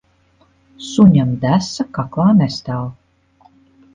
Suņam desa kaklā nestāv.